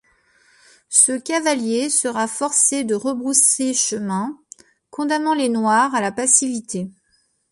Ce cavalier sera forcé de rebrousser chemin, condamnant les noirs à la passivité.